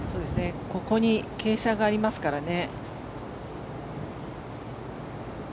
ここに傾斜がありますからね。